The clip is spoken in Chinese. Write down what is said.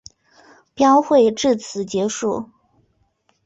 标会至此结束。